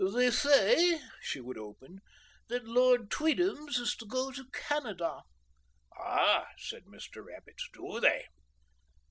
"They say," she would open, "that Lord Tweedums is to go to Canada." "Ah!" said Mr. Rabbits; "dew they?"